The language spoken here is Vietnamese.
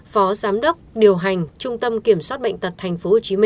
phó giám đốc điều hành trung tâm kiểm soát bệnh tật tp hcm